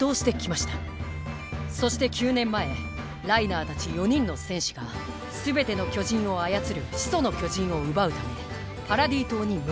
そして９年前ライナーたち４人の戦士がすべての巨人を操る「始祖の巨人」を奪うためパラディ島に向かいました。